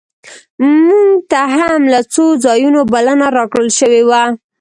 مونږ ته هم له څو ځایونو بلنه راکړل شوې وه.